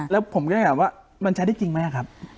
แล้วผมก็ถามว่ามันใช้ได้จริงไหมครับ